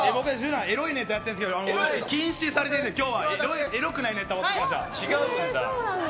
エロいネタやってるんですけど禁止されてるので今日はエロくないネタを。